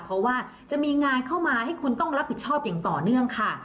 เพราะว่าจะมีงานเข้ามาให้คุณต้องรับผิดชอบอย่างต่อเนื่องค่ะ